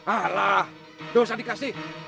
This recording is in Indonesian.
alah dosa dikasih